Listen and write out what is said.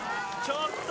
ちょっと！